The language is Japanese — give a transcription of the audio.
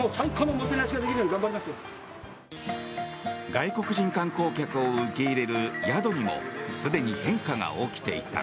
外国人観光客を受け入れる宿にもすでに変化が起きていた。